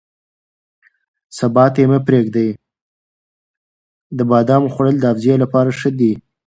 د بادامو خوړل د حافظې لپاره ښه دي.